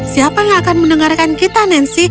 siapa yang akan mendengarkan kita nancy